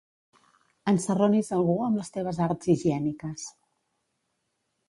Ensarronis algú amb les teves arts higièniques.